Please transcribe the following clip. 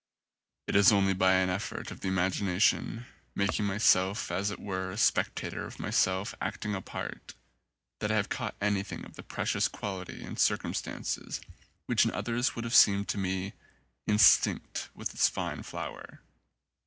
It is only by an effort of the imagination, making myself as it were a spectator of myself acting a part, that I have caught anything of the precious quality in circum stances which in others would have seemed to me instinct with its fine flower.